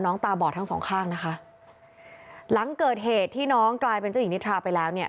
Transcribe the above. ตาบอดทั้งสองข้างนะคะหลังเกิดเหตุที่น้องกลายเป็นเจ้าหญิงนิทราไปแล้วเนี่ย